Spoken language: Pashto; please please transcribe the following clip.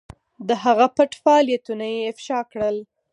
د هغه پټ فعالیتونه یې افشا کړل.